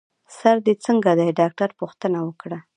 سر دي څنګه دی؟ ډاکټر پوښتنه وکړه.